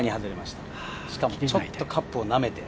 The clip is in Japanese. しかもちょっとカップをなめて。